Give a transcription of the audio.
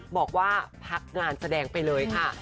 บอกว่าพักงานแสดงไปเลยค่ะ